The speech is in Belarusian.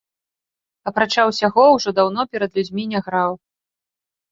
Апрача ўсяго, ужо даўно перад людзьмі не граў.